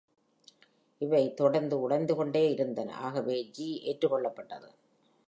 இவை தொடர்ந்து உடைந்துகொண்டே இருந்தன, ஆகவே G ஏற்றுக்கொள்ளப்பட்டது.